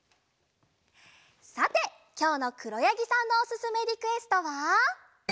さてきょうのくろやぎさんのおすすめリクエストは。